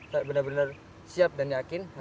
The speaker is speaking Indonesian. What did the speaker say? saya benar benar siap dan yakin